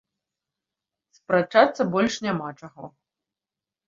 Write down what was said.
Спрачацца больш няма чаго.